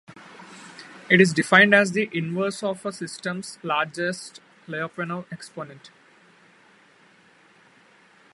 It is defined as the inverse of a system's largest Lyapunov exponent.